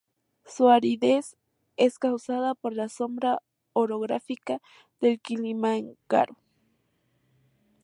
Su aridez es causada por la sombra orográfica del Kilimanjaro.